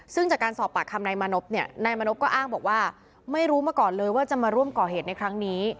ซึ่งจากการสอบปากคำนายมานพเนี่ยนายมานพก็อ้างบอกว่าไม่รู้มาก่อนเลยว่าจะมาร่วมก่อเหตุในครั้งนี้